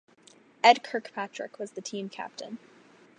Ed Kirkpatrick was the team captain.